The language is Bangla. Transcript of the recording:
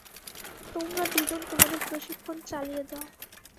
তোমরা দুজন তোমাদের প্রশিক্ষণ চালিয়ে যাও।